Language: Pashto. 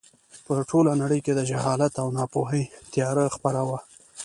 په ټوله نړۍ کې د جهالت او ناپوهۍ تیاره خپره وه.